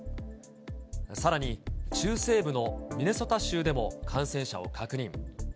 さらに中西部のミネソタ州でも感染者を確認。